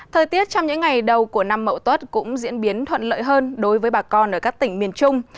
thời tiết trong những ngày đầu của năm mậu tuất cũng diễn biến thuận lợi hơn đối với bà con ở các tỉnh miền trung